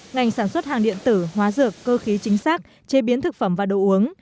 ngành sản xuất hàng điện tử hóa dược cơ khí chính xác chế biến thực phẩm và đồ uống